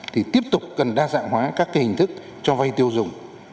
thì tiếp tục cần đa dạng hóa các hình thức cho vay tiêu dùng